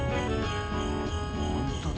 本当だ。